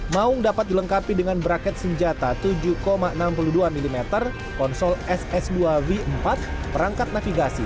maung dapat dilengkapi dengan braket senjata tujuh enam puluh dua mm konsol ss dua v empat perangkat navigasi